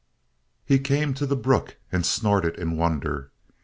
He came to the brook and snorted in wonder.